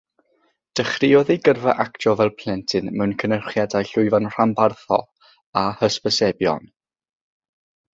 Dechreuodd ei gyrfa actio fel plentyn mewn cynyrchiadau llwyfan rhanbarthol a hysbysebion.